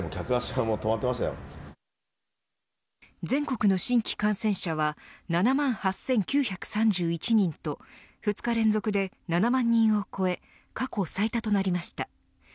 全国の新規感染者は７万８９３１人と２日連続で７万人を超え過去最多となりました。